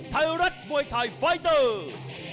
ไทยรัฐมวยไทยไฟเตอร์